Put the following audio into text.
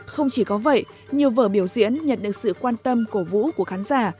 không chỉ có vậy nhiều vở biểu diễn nhận được sự quan tâm cổ vũ của khán giả